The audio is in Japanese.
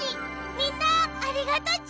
みんなありがとち！